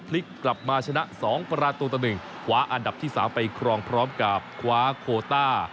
พลิกกลับมาชนะ๒ประตูต่อ๑ขวาอันดับที่๓ไปครองพร้อมกับคว้าโคต้า